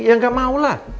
ya gak maulah